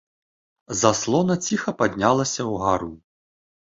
Заслона ціха паднялася ўгару.